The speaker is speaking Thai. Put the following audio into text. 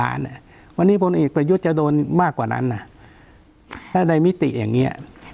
แอบประยุทธ์อีกมากอย่างนั้นในมิติอย่างนี้